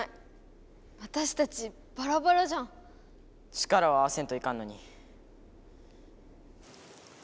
力を合わせんといかんのに。